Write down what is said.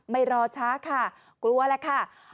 ไม่รอช้าค่ะกลัวแล้วค่ะ